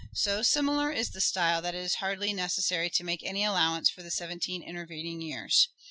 So similar is the style that it is hardly necessary to make any allowance for the seventeen intervening years.